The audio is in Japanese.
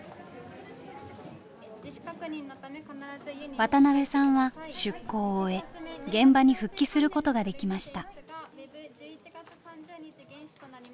渡辺さんは出向を終え現場に復帰することができました。